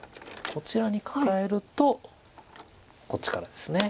こちらにカカえるとこっちからです。